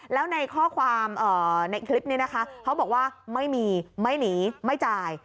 แล้วในข้อความในคลิปนี้นะคะเขาบอกว่าไม่มีไม่หนีไม่จ่าย